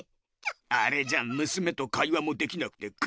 あれじゃむすめと会話もできなくて草！